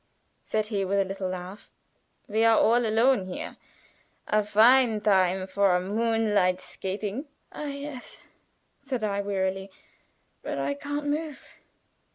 said he, with a little laugh. "We are all alone here! A fine time for a moonlight skating." "Ah! yes," said I, wearily, "but I can't move."